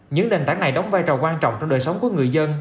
những nền tảng này đóng vai trò quan trọng trong đời sống của người dân